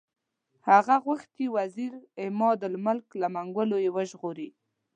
هغه غوښتي وزیر عمادالملک له منګولو یې وژغوري.